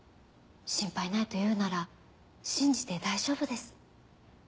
心配ないと言うなら信じて大丈夫です。